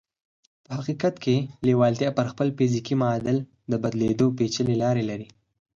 په حقیقت کې لېوالتیا پر خپل فزیکي معادل د بدلېدو پېچلې لارې لري